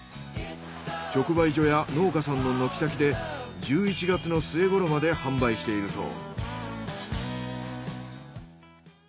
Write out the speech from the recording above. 直売所や農家さんの軒先で１１月の末ごろまで販売しているそう。